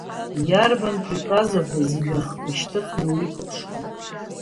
Иарбан приказу ҳәа зегь рыхқәа шьҭыхны уи ихәаԥшуан.